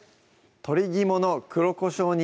「鶏肝の黒こしょう煮」